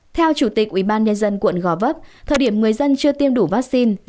theo chủ tịch ubnd quận gò vấp thời điểm người dân chưa tiêm đủ vaccine